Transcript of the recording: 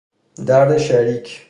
درد شریک